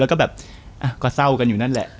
แล้วก็แบบก็เศร้ากันอยู่นั่นแหละ